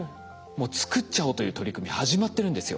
もう作っちゃおうという取り組み始まってるんですよ。